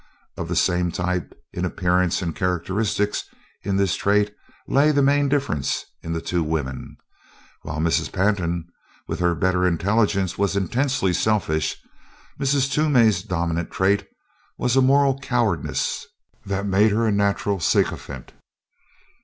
Of the same type, in appearance and characteristics, in this trait, lay the main difference in the two women: while Mrs. Pantin with her better intelligence was intensely selfish, Mrs. Toomey's dominant trait was a moral cowardice that made her a natural sycophant.